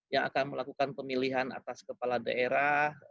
yang akan melakukan pemilihan atas kepala daerah